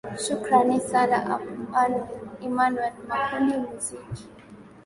shukrani sana emanuel makundi muziki